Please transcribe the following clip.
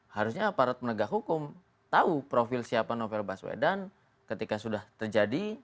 harusnya aparat penegak hukum tahu profil siapa novel baswedan ketika sudah terjadi